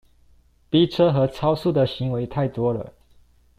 逼車和超速的行為太多了